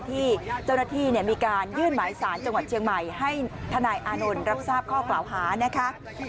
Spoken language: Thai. ที่เจ้าหน้าที่มีการยื่นหมายสารจังหวัดเชียงใหม่ให้ทนายอานนท์รับทราบข้อกล่าวหานะคะ